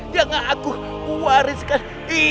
yang aku wariskan